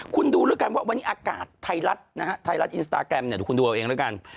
คุณดูรู้กันว่าวันนี้อากาศไทยลัดนะฮะไทยลัดปีเจอกันให้คุณดูแล้วเองเหลือกัน